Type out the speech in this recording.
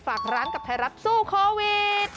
ฝากร้านกับไทยรัฐสู้โควิด